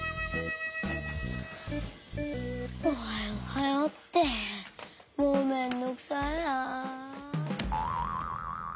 「おはよう」「おはよう」ってもうめんどくさいな。